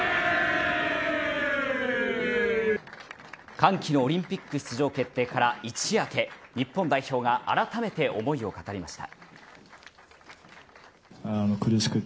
歓喜のオリンピック出場決定から一夜明け日本代表があらためて思いを語りました。